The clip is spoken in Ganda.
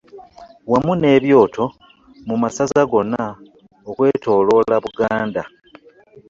Wamu n'ebyoto mu masaza gonna okwetoloola Buganda.